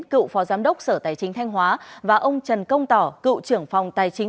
cựu phó giám đốc sở tài chính thanh hóa và ông trần công tỏ cựu trưởng phòng tài chính